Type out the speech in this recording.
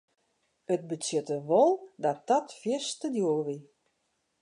It betsjutte wol dat dat fierste djoer wie.